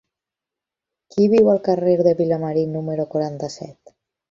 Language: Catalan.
Qui viu al carrer de Vilamarí número quaranta-set?